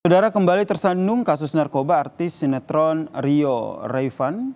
saudara kembali tersandung kasus narkoba artis sinetron rio raivan